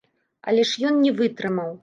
Але ж ён не вытрымаў.